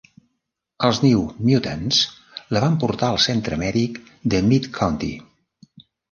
Els New Mutants la van portar al centre mèdic de Mid-County.